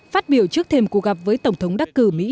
phát biểu trước thềm cuộc gặp với tổng thống đắc cử mỹ